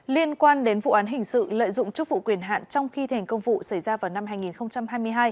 liên quan đến vụ án hình sự lợi dụng chức vụ quyền hạn trong khi thành công vụ xảy ra vào năm hai nghìn hai mươi hai